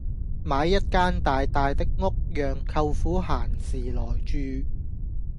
買一間大大的屋讓舅父閒時來住